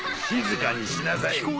静かにしなさい。